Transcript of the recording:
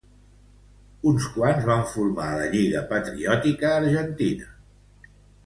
Uns quants van formar Lliga Patriòtica Argentina.